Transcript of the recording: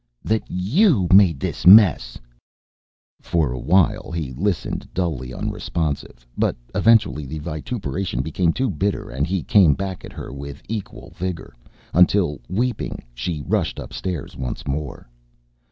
"That you made this mess!" For a while he listened, dully unresponsive, but eventually the vituperation became too bitter and he came back at her with equal vigor. Until, weeping, she rushed upstairs once more.